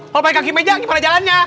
kalau pakai kaki meja gimana jalannya